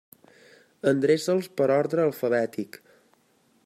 Endreça'ls per ordre alfabètic.